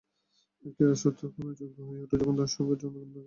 একটি রাষ্ট্র তখনই যোগ্য হয়ে ওঠে যখন তাঁর যোগ্য জনগণ থাকে।